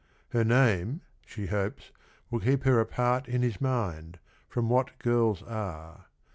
Her name, she hopes, will keep her apart in his mind, from what girls are.